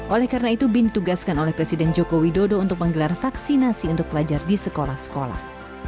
oleh karena itu bin ditugaskan oleh presiden joko widodo untuk menggelar vaksinasi untuk pelajar di sekolah sekolah